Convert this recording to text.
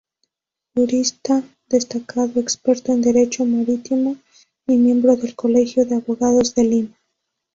Jurista destacado, experto en derecho marítimo y miembro del Colegio de Abogados de Lima.